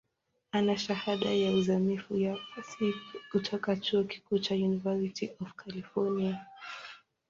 Ana Shahada ya uzamivu ya Fasihi kutoka chuo kikuu cha University of California.